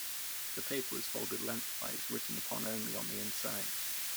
The paper was folded lengthwise, written upon only on the inside.